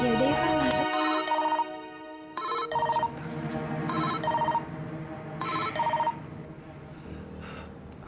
yaudah ya pak masuk